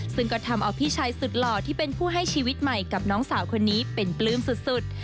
ซึ่งก็ทำเอาพี่ชายสุดหล่อที่เป็นผู้ให้ชีวิตใหม่กับน้องสาวคนนี้เป็นปลื้มสุด